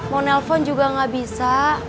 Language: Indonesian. mau nelpon juga nggak bisa